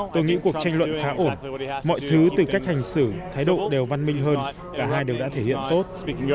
tôi nghĩ cuộc tranh luận khá ổn mọi thứ từ cách hành xử thái độ đều văn minh hơn cả hai đều đã thể hiện tốt